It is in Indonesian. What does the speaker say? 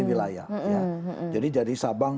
wilayah jadi jadi sabang